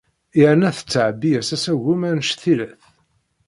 Yerna tettɛebbi-as asagem anect-ila-t.